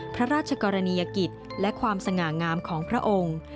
พระราชกรณียกิจและความสง่างามของพระองค์